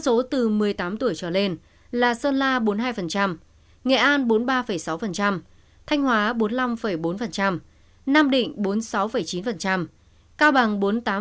giới năm mươi dân số từ một mươi tám tuổi trở lên là sơn la bốn mươi hai nghệ an bốn mươi ba sáu thanh hóa bốn mươi năm bốn nam định bốn mươi sáu chín cao bằng bốn mươi tám bảy